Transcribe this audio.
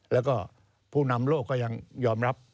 แล้วก็ผู้นำโลกก็ยังยอมรับ